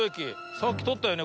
さっき撮ったよね？